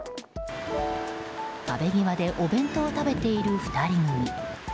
壁際でお弁当を食べている２人組。